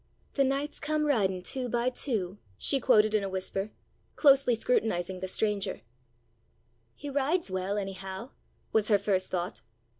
"'The knights come riding two by two,'" she quoted in a whisper, closely scrutinizing the stranger. "He rides well, anyhow," was her first thought.